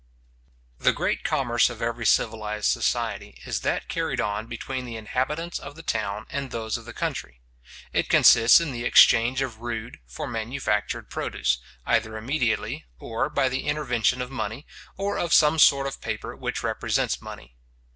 The great commerce of every civilized society is that carried on between the inhabitants of the town and those of the country. It consists in the exchange of rude for manufactured produce, either immediately, or by the intervention of money, or of some sort of paper which represents money.